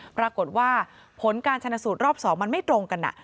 ปรากฏว่าผลการชนสูตรรอบ๒มันไม่ตรงกัน